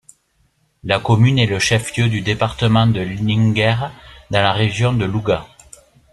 La commune est le chef-lieu du département de Linguère, dans la région de Louga.